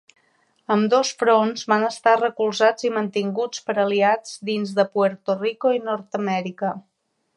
Ambdós fronts van estar recolzats i mantinguts per aliats dins de Puerto Rico i Nord-Amèrica.